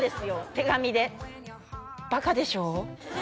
手紙でバカでしょ？